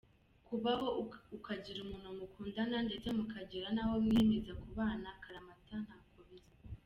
Kubaho ukagira umuntu mukundana ndetse mukagera n’aho mwiyemeza kubana akaramata ntako bisa.